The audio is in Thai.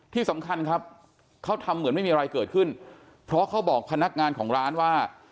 ที่สำคัญครับเขาทำเหมือนไม่มีอะไรเกิดขึ้นเพราะเขาบอกพนักงานของร้านว่า